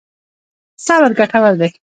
صبر ګټور دی.